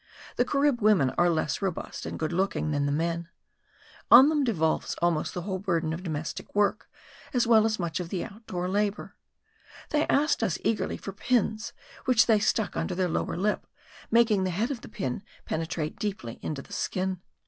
The Carib women are less robust and good looking than the men, On them devolves almost the whole burden of domestic work, as well as much of the out door labour. They asked us eagerly for pins, which they stuck under their lower lip, making the head of the pin penetrate deeply into the skin.